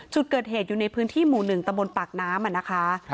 จุดเกิดเหตุอยู่ในพื้นที่หมู่๑ตะบนปากน้ำนะคะ